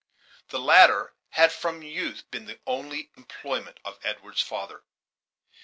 The latter had from youth been the only employment of Edward's father.